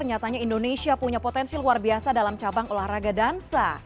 nyatanya indonesia punya potensi luar biasa dalam cabang olahraga dansa